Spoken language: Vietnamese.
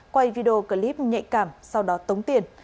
quay video clip nhạy cảm sau đó tống tiền